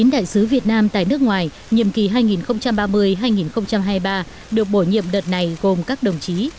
chín đại sứ việt nam tại nước ngoài nhiệm kỳ hai nghìn ba mươi hai nghìn hai mươi ba được bổ nhiệm đợt này gồm các đồng chí